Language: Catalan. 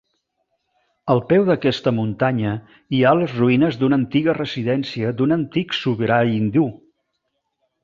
Al peu d'aquesta muntanya hi ha les ruïnes d'una antiga residència d'un antic sobirà hindú.